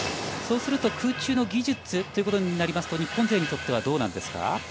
そうすると空中の技術ということになりますと日本勢にとってはどうなんですか？